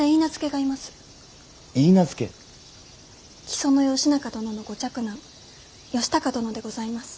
木曽義仲殿のご嫡男義高殿でございます。